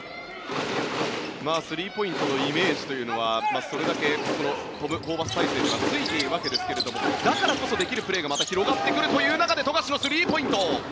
スリーポイントのイメージというのはそれだけトム・ホーバス体制ではついているわけですがだからこそできるプレーがまた広がってくるという中での富樫のスリーポイント。